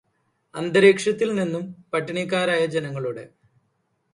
അന്തരീക്ഷത്തിൽ നിന്നും പട്ടിണിക്കാരായ ജനങ്ങളുടെ